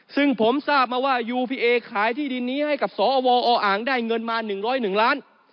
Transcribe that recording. ซึ่งผมทราบมาว่ายูพีเอขายที่ดินนี้ให้กับสอวออ่างได้เงินมา๑๐๑ล้าน